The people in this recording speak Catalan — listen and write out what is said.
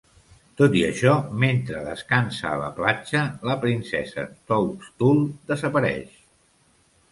Tot i això, mentre descansa a la platja, la princesa Toadstool desapareix.